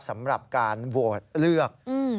สำหรับการโหวตเลือก